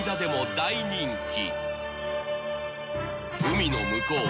［海の向こう